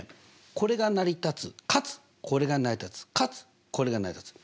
これが成り立つかつこれが成り立つかつこれが成り立つ。